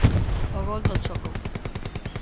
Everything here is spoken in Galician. O gol do Choco.